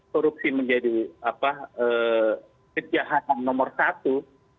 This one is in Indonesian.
korupsi menjadi kejahatan nomor satu